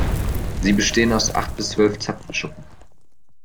Sie bestehen aus acht bis zwölf Zapfenschuppen.